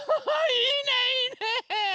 いいねいいね！